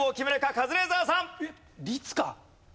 カズレーザーさん！